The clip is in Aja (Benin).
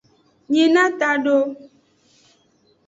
Nyina tado.